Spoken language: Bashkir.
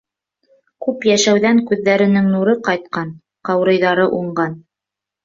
Күп йәшәүҙән күҙҙәренең нуры ҡайтҡан, ҡаурыйҙары уңған.